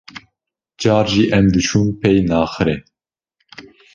Car jî em diçun pey naxirê.